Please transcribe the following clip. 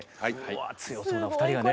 うわ強そうな２人がね。